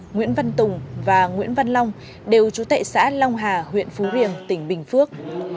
nguyễn văn tùng và nguyễn văn long đều trú tại xã long hà huyện phú riềng tỉnh bình phước